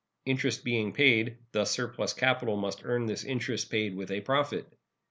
Interest being paid, this surplus capital must earn this interest paid with a profit.